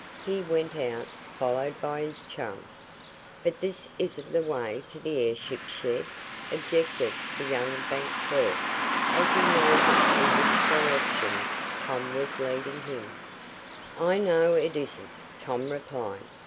He went out, followed by his chum. "But this isn't the way to the airship shed," objected the young bank clerk, as he noted in which direction Tom was leading him. "I know it isn't," Tom replied.